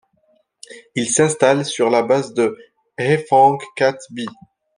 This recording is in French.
Il s'installe sur la base de Haiphong-Cat-Bi.